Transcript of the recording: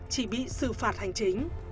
chỉ bị sự phạt hành chính